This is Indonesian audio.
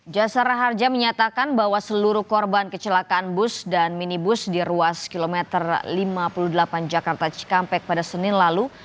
jasara harja menyatakan bahwa seluruh korban kecelakaan bus dan minibus di ruas kilometer lima puluh delapan jakarta cikampek pada senin lalu